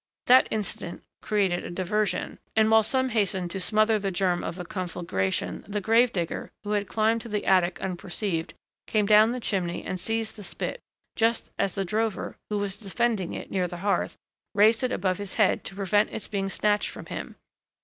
That incident created a diversion, and while some hastened to smother the germ of a conflagration, the grave digger, who had climbed to the attic unperceived, came down the chimney and seized the spit, just as the drover, who was defending it near the hearth, raised it above his head to prevent its being snatched from him.